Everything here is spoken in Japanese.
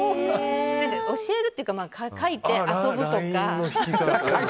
教えるというか、描いて遊ぶとか。